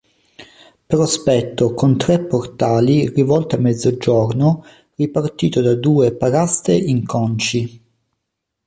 Prospetto con tre portali rivolto a mezzogiorno ripartito da due paraste in conci.